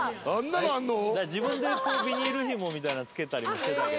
「自分でビニール紐みたいなの付けたりもしてたけど」